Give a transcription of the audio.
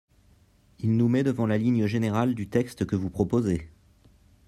Il nous met devant la ligne générale du texte que vous proposez.